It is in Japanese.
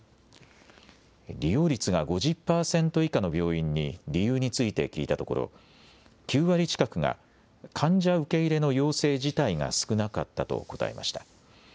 利用率が５０％以下の病院に理由について聞いたところ９割近くが患者受け入れの要請自体が少なかったと答えました。